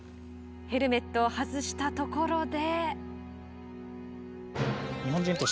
ヘルメットを外したところで。